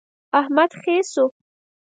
احمد خې شو.